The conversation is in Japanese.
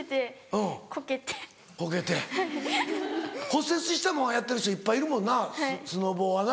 骨折してもやってる人いっぱいいるもんなスノボはな。